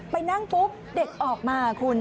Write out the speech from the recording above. ไปนั่งปุ๊บเด็กออกมาคุณ